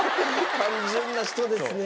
単純な人ですね。